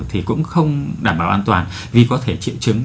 thì cũng không đảm bảo an toàn vì có thể triệu chứng